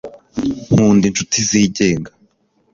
Nkunda inshuti zigenga